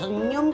kamu juga suka